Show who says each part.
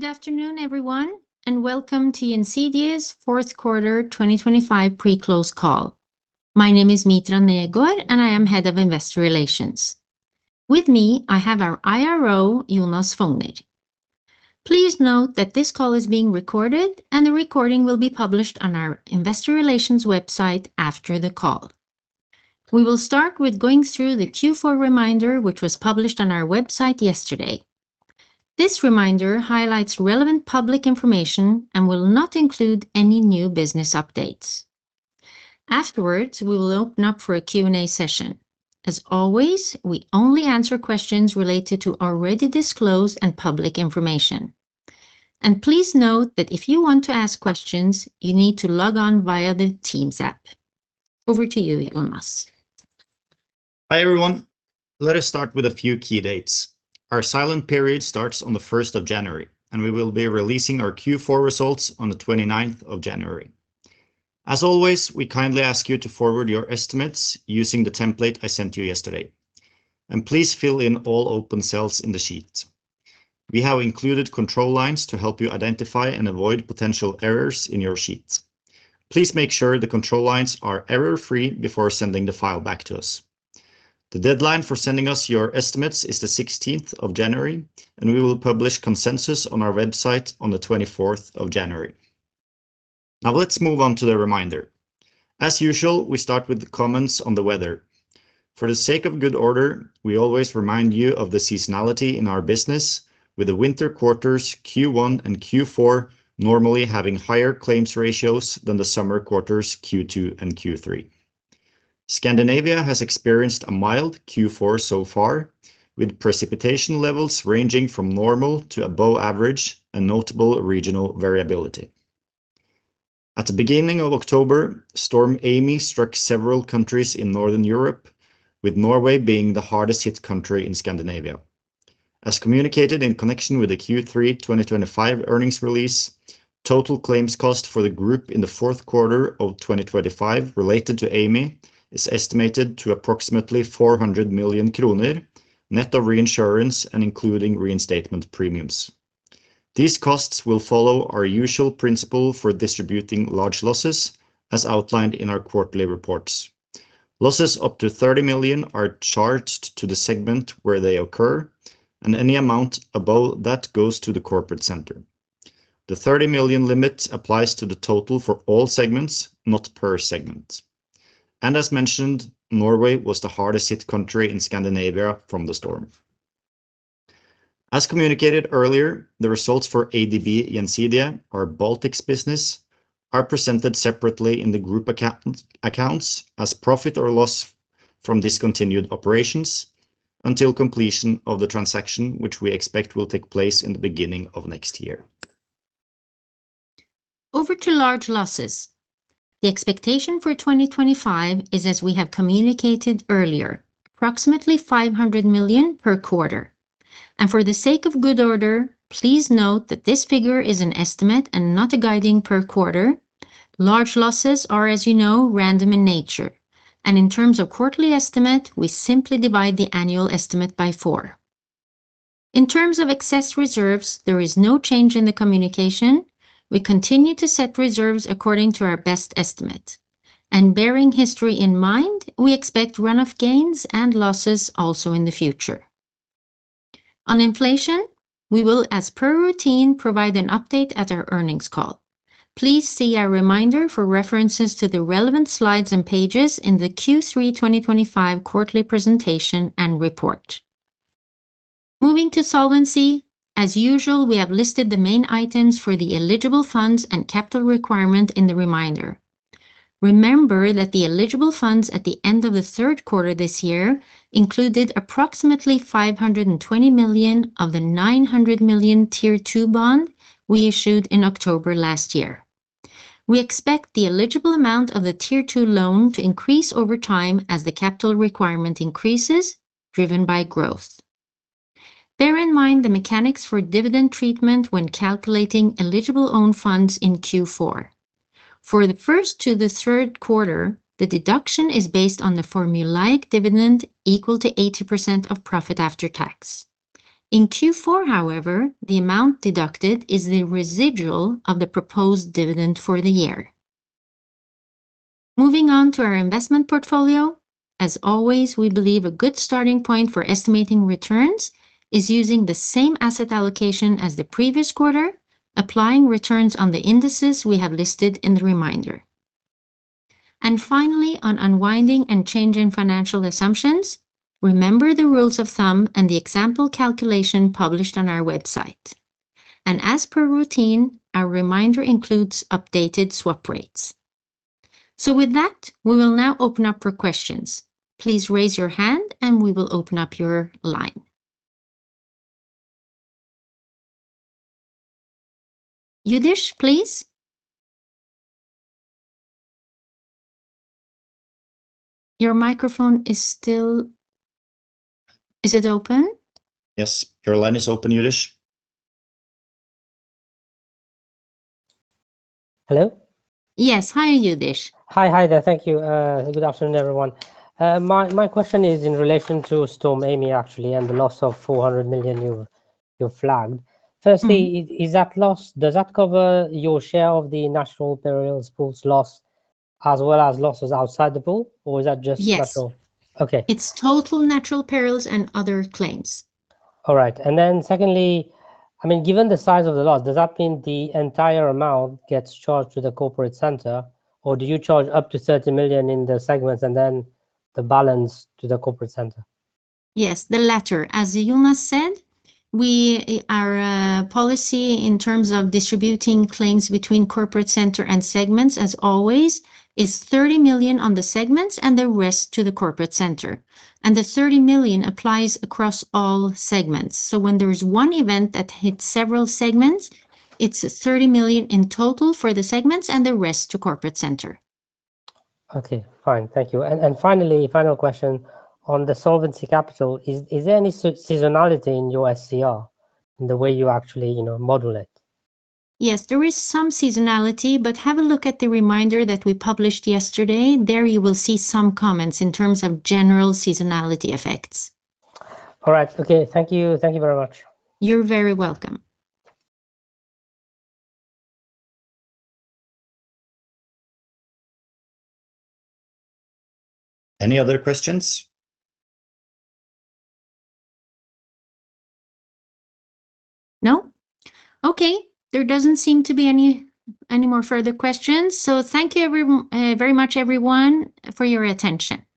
Speaker 1: Good afternoon, everyone, and welcome to Gjensidige Fourth Quarter 2025 Pre-Close Call. My name is Mitra Negård, and I am Head of Investor Relations. With me, I have our IRO, Jonas Fougner. Please note that this call is being recorded, and the recording will be published on our Investor Relations website after the call. We will start with going through the Q4 reminder, which was published on our website yesterday. This reminder highlights relevant public information and will not include any new business updates. Afterwards, we will open up for a Q&A session. As always, we only answer questions related to already disclosed and public information. And please note that if you want to ask questions, you need to log on via the Teams app. Over to you, Jonas.
Speaker 2: Hi everyone. Let us start with a few key dates. Our silent period starts on the 1st of January, and we will be releasing our Q4 results on the 29th of January. As always, we kindly ask you to forward your estimates using the template I sent you yesterday. And please fill in all open cells in the sheet. We have included control lines to help you identify and avoid potential errors in your sheet. Please make sure the control lines are error-free before sending the file back to us. The deadline for sending us your estimates is the 16th of January, and we will publish consensus on our website on the 24th of January. Now let's move on to the reminder. As usual, we start with the comments on the weather. For the sake of good order, we always remind you of the seasonality in our business, with the winter quarters Q1 and Q4 normally having higher claims ratios than the summer quarters Q2 and Q3. Scandinavia has experienced a mild Q4 so far, with precipitation levels ranging from normal to above average and notable regional variability. At the beginning of October, Storm Amy struck several countries in Northern Europe, with Norway being the hardest-hit country in Scandinavia. As communicated in connection with the Q3 2025 earnings release, total claims cost for the group in the fourth quarter of 2025 related to Amy is estimated to approximately 400 million kroner, net of reinsurance and including reinstatement premiums. These costs will follow our usual principle for distributing large losses, as outlined in our quarterly reports. Losses up to 30 million are charged to the segment where they occur, and any amount above that goes to the Corporate Center. The 30 million limit applies to the total for all segments, not per segment. And as mentioned, Norway was the hardest-hit country in Scandinavia from the storm. As communicated earlier, the results for ADB Gjensidige, our Baltics business, are presented separately in the group accounts as profit or loss from discontinued operations until completion of the transaction, which we expect will take place in the beginning of next year.
Speaker 1: Over to large losses. The expectation for 2025 is, as we have communicated earlier, approximately 500 million per quarter, and for the sake of good order, please note that this figure is an estimate and not a guiding per quarter. Large losses are, as you know, random in nature, and in terms of quarterly estimate, we simply divide the annual estimate by four. In terms of excess reserves, there is no change in the communication. We continue to set reserves according to our best estimate, and bearing history in mind, we expect run-off gains and losses also in the future. On inflation, we will, as per routine, provide an update at our earnings call. Please see our reminder for references to the relevant slides and pages in the Q3 2025 quarterly presentation and report. Moving to Solvency, as usual, we have listed the main items for the eligible own funds and capital requirement in the reminder. Remember that the eligible own funds at the end of the third quarter this year included approximately 520 million of the 900 million Tier 2 bond we issued in October last year. We expect the eligible amount of the Tier 2 loan to increase over time as the capital requirement increases, driven by growth. Bear in mind the mechanics for dividend treatment when calculating eligible own funds in Q4. For the first to the third quarter, the deduction is based on the formulaic dividend equal to 80% of profit after tax. In Q4, however, the amount deducted is the residual of the proposed dividend for the year. Moving on to our investment portfolio, as always, we believe a good starting point for estimating returns is using the same asset allocation as the previous quarter, applying returns on the indices we have listed in the reminder. And finally, on unwinding and changing financial assumptions, remember the rules of thumb and the example calculation published on our website. And as per routine, our reminder includes updated swap rates. So with that, we will now open up for questions. Please raise your hand and we will open up your line. Youdish, please. Your microphone is still. Is it open?
Speaker 2: Yes, your line is open, Youdish. Hello?
Speaker 1: Yes, hi Youdish. Hi, hi there, thank you. Good afternoon everyone. My question is in relation to Storm Amy actually and the loss of 400 million you flagged. Firstly, is that loss, does that cover your share of the Natural Perils Pool's loss as well as losses outside the pool, or is that just natural? Yes. Okay. It's total natural perils and other claims. All right. And then secondly, I mean, given the size of the loss, does that mean the entire amount gets charged to the Corporate Center, or do you charge up to 30 million in the segments and then the balance to the Corporate Center? Yes, the latter. As Jonas said, our policy in terms of distributing claims between Corporate Center and segments, as always, is 30 million on the segments and the rest to the Corporate Center. And the 30 million applies across all segments. So when there is one event that hits several segments, it's 30 million in total for the segments and the rest to Corporate Center. Okay, fine. Thank you. And finally, final question on the solvency capital, is there any seasonality in your SCR in the way you actually model it? Yes, there is some seasonality, but have a look at the reminder that we published yesterday. There you will see some comments in terms of general seasonality effects. All right. Okay, thank you. Thank you very much. You're very welcome.
Speaker 2: Any other questions?
Speaker 1: No. Okay, there doesn't seem to be any more further questions. So thank you very much, everyone, for your attention.